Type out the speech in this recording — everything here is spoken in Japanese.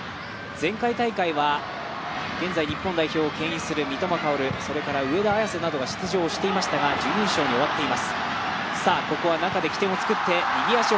前回大会は、現在日本代表をけん引する三笘薫、そして上田綺世などが出場していましたが、準優勝に終わっています。